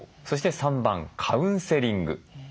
そして３番カウンセリング。